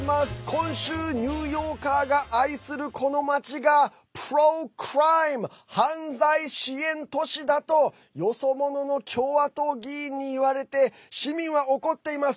今週、ニューヨーカーが愛するこの街がｐｒｏ‐ｃｒｉｍｅ犯罪支援都市だとよそ者の共和党議員に言われて市民は怒っています。